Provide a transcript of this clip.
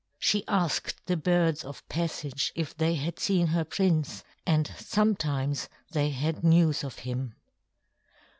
She asked the birds of passage if they had seen her prince, and sometimes they had news of him.